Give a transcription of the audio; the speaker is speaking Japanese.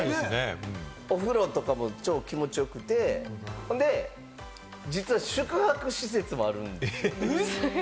お風呂とかも超気持ち良くて、で、実は宿泊施設もあるんですよ。